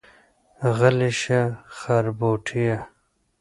غلی شه خربوټيه.